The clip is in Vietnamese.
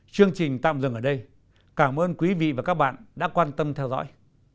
chương trình tạm dừng ở đây cảm ơn quý vị và các bạn đã quan tâm theo dõi